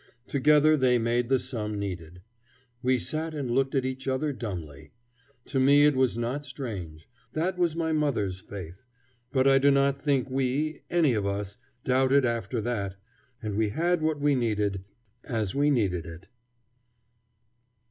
Together they made the sum needed. We sat and looked at each other dumbly. To me it was not strange: that was my mother's faith. But I do not think we, any of us, doubled after that; and we had what we needed, as we needed it.